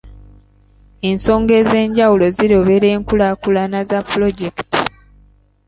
Ensonga ez'enjawulo zirobera enkulaakulana za puloojekiti.